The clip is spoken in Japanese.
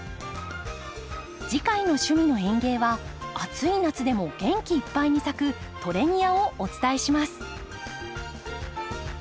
次回の「趣味の園芸」は暑い夏でも元気いっぱいに咲くトレニアをお伝えします。